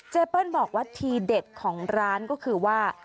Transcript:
เปิ้ลบอกว่าทีเด็ดของร้านก็คือว่า